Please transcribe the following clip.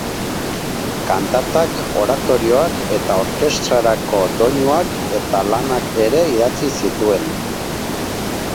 Kantatak, oratorioak eta orkestrarako doinuak eta lanak ere idatzi zituen.